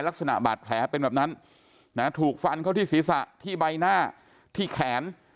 ลักษณะบาดแผลเป็นแบบนั้นถูกฟันเข้าที่ศีรษะที่ใบหน้าที่แขน